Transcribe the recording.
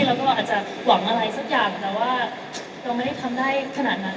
แล้วก็เราอาจจะหวังอะไรสักอย่างแต่ว่าเราไม่ได้ทำได้ขนาดนั้น